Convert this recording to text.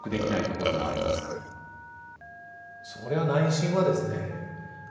そりゃ内心はですね